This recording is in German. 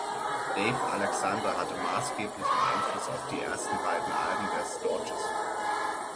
Dave Alexander hatte maßgeblichen Einfluss auf die ersten beiden Alben der Stooges.